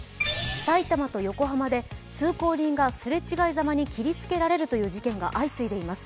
埼玉と横浜で通行人が擦れ違いざまに切りつけられるという事件が相次いでいます。